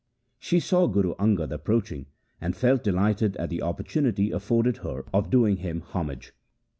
She saw Guru Angad approaching and felt delighted at the opportunity afforded her of doing him homage.